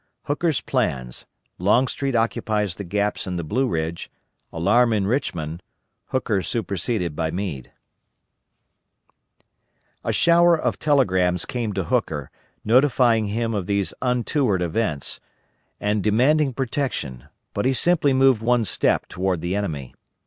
HOOKER'S PLANS LONGSTREET OCCUPIES THE GAPS IN THE BLUE RIDGE ALARM IN RICHMOND HOOKER SUPERSEDED BY MEADE. A shower of telegrams came to Hooker, notifying him of these untoward events, and demanding protection; but he simply moved one step toward the enemy.